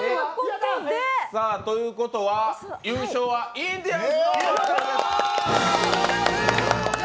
ということは、優勝はインディアンスのお二人です。